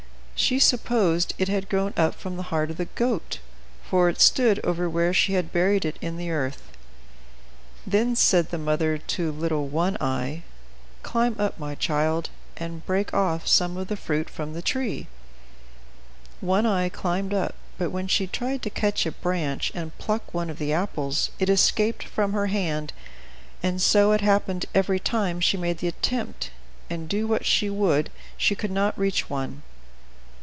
She supposed it had grown up from the heart of the goat; for it stood over where she had buried it in the earth. Then said the mother to little One Eye, "Climb up, my child, and break off some of the fruit from the tree." One Eye climbed up, but when she tried to catch a branch and pluck one of the apples, it escaped from her hand, and so it happened every time she made the attempt, and, do what she would, she could not reach one.